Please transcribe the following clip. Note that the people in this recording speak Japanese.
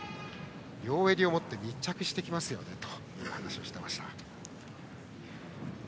両襟を持って密着してきますよねと話していました。